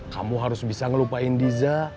kamu harus bisa ngelupain diza